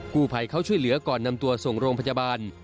ผู้ภัยเขาช่วยเหลือก่อนนำตัวส่งโรงพยาบาล